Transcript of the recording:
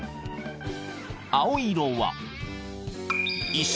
［青色は］